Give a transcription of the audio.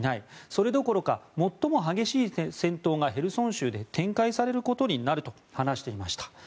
それどころか最も激しい戦闘がヘルソン州で展開されることになると話していました。